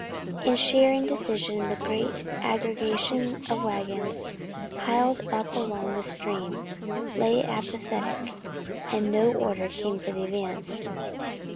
In sheer indecision the great aggregation of wagons, piled up along the stream, lay apathetic, and no order came for the advance.